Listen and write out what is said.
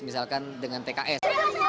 misalkan dengan tks